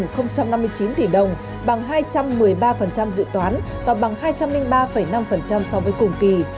năm mươi chín tỷ đồng bằng hai trăm một mươi ba dự toán và bằng hai trăm linh ba năm so với cùng kỳ